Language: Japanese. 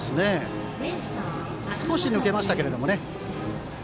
少し抜けましたけどね。